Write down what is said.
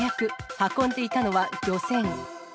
運んでいたのは漁船。